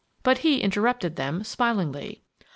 But he interrupted them, smilingly.